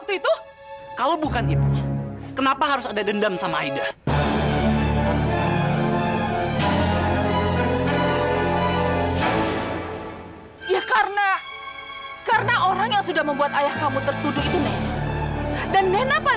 sampai jumpa di video selanjutnya